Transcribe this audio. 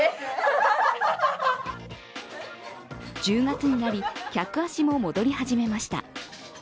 １０月になり、客足も戻り始めました。